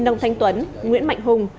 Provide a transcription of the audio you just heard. nông thanh tuấn nguyễn mạnh hùng